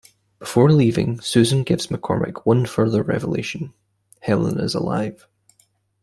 Before leaving, Susan gives McCormick one further revelation: Helen is alive.